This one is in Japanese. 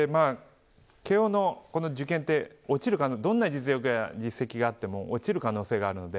慶応の受験って、どんなに実力や実績があっても落ちる可能性があります。